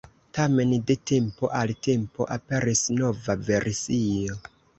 Tamen, de tempo al tempo aperis nova versio.